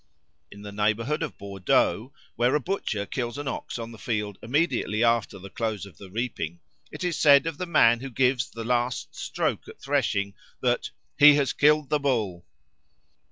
In the neighbourhood of Bordeaux, where a butcher kills an ox on the field immediately after the close of the reaping, it is said of the man who gives the last stroke at threshing that "he has killed the Bull."